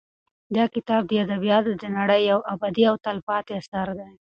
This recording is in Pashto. دا کتاب د ادبیاتو د نړۍ یو ابدي او تلپاتې اثر دی.